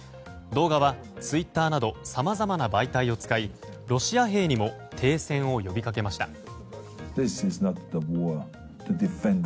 動画はツイッターなどさまざまな媒体を使いロシア兵にも停戦を呼びかけました。